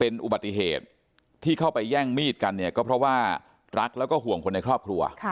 อุบัติเหตุที่เข้าไปแย่งมีดกันเนี่ยก็เพราะว่ารักแล้วก็ห่วงคนในครอบครัว